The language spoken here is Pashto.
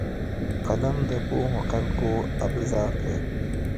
قلم د پوهو خلکو ابزار دی